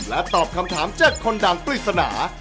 และตอบคำถาม๗คนดังปริศนา